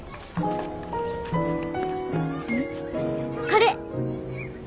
これ。